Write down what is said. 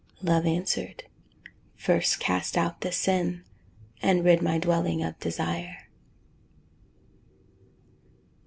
Love answered, "First cast out the sin And rid my dwelling of desire."